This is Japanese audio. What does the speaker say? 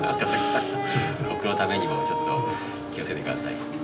僕のためにもちょっと気をつけて下さい。